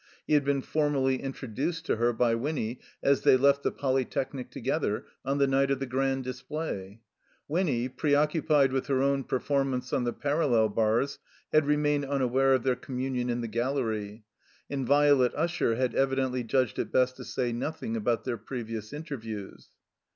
He had been formally introduced to her by Winny as they left the Poly technic together, on the night of the Grand Dis play. Winny, preoccupied with her own perform ance on the parallel bars, had remained unaware of their communion in the gallery, and Violet Usher had evidently judged it best to say nothing about their previous interviews.